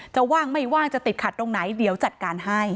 ว่างไม่ว่างจะติดขัดตรงไหนเดี๋ยวจัดการให้